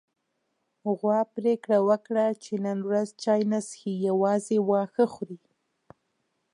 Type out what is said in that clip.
غوا پرېکړه وکړه چې نن ورځ چای نه څښي، يوازې واښه خوري.